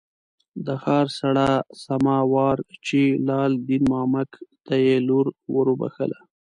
د ښار څړه سما وارچي لال دین مامک ته یې لور ور وبخښله.